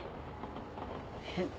えっ。